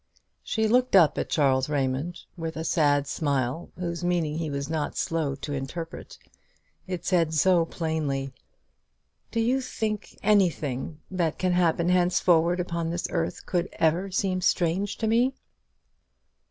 She looked up at Charles Raymond with a sad smile, whose meaning he was not slow to interpret. It said so plainly, "Do you think anything that can happen henceforward upon this earth could ever seem strange to me?"